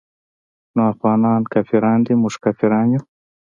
نو افغانان کافران دي موږ کافران يو.